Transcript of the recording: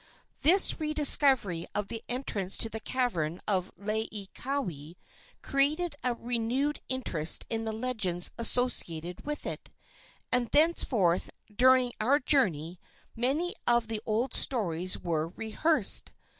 This rediscovery of the entrance to the cavern of Laieikawai created a renewed interest in the legends associated with it, and thenceforth during our journey many of the old stories were rehearsed.